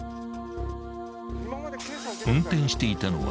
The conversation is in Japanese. ［運転していたのは］